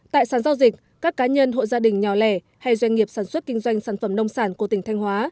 tại sàn giao dịch các cá nhân hộ gia đình nhỏ lẻ hay doanh nghiệp sản xuất kinh doanh sản phẩm nông sản của tỉnh thanh hóa